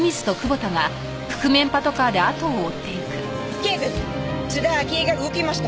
警部津田明江が動きました。